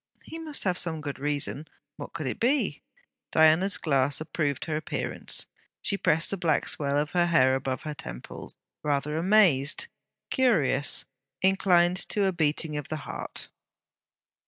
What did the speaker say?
'He must have some good reason.' What could it be! Diana's glass approved her appearance. She pressed the black swell of hair above her temples, rather amazed, curious, inclined to a beating of the heart.